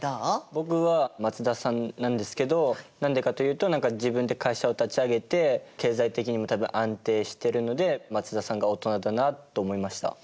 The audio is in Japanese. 僕は松田さんなんですけど何でかというと何か自分で会社を立ち上げて経済的にも多分安定してるので松田さんがオトナだなと思いました。